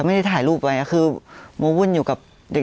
ไม่ได้ถ่ายรูปไว้คือโมวุ่นอยู่กับเด็ก